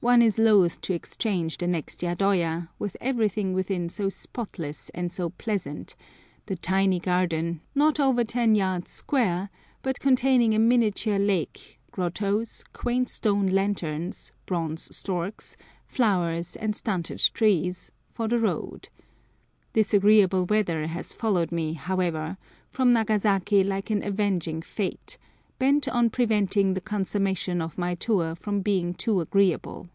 One is loath to exchange the neat yadoya, with everything within so spotless and so pleasant, the tiny garden, not over ten yards square, but containing a miniature lake, grottos, quaint stone lanterns, bronze storks, flowers, and stunted trees, for the road. Disagreeable weather has followed me, however, from Nagasaki like an avenging Fate, bent on preventing the consummation of my tour from being too agreeable.